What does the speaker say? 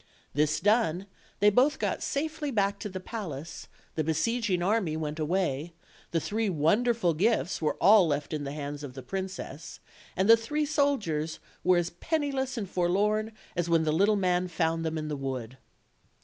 This done, they both got safely back to the palace; the besieging army went away; the three wonderful gifts were all left in the hands of the princess; and the three soldiers were as penniless and forlorn as when the little man found them in the wood.